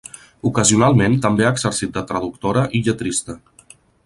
Ocasionalment també ha exercit de traductora i lletrista.